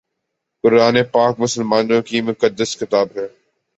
قرآن پاک مسلمانوں کی مقدس کتاب ہے